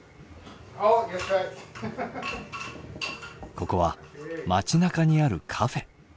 ここは町なかにあるカフェ。